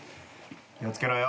気を付けろよ。